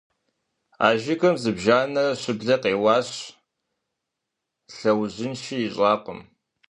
А жыгым зыбжанэрэ щыблэ къеуащ, лъэужьынши ищӀакъым.